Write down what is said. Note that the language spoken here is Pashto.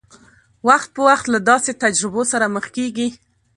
وخت په وخت له داسې تجربو سره مخ کېږي.